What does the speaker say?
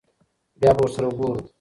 بيا به ور سره ګورو.